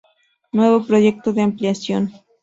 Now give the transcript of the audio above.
Nuevo proyecto de ampliación.